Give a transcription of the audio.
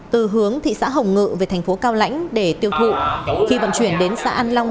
từ hướng thị xã hồng ngự về thành phố cao lãnh để tiêu thụ khi vận chuyển đến xã an long